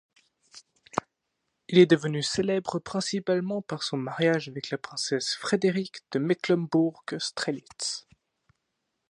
Il est devenu célèbre principalement par son mariage avec la princesse Frédérique de Mecklembourg-Strelitz.